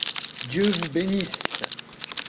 Dieu vous bénisse !